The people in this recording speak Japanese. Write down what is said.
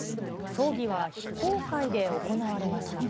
葬儀は非公開で行われました。